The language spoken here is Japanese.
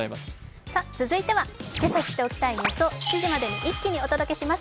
続いては今朝知っておきたいニュースを７時までに一気にお届けします